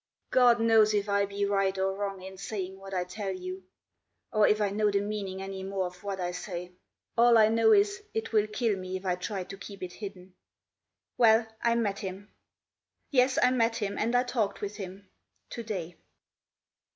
"God knows if I be right or wrong in saying what I tell you, Or if I know the meaning any more of what I say. All I know is, it will kill me if I try to keep it hidden Well, I met him. ... Yes, I met him, and I talked with him today."